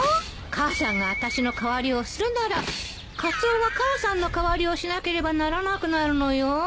母さんがあたしの代わりをするならカツオは母さんの代わりをしなければならなくなるのよ。